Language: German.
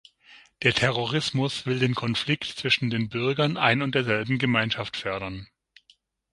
Der Terrorismus will den Konflikt zwischen den Bürgern ein und derselben Gemeinschaft fördern.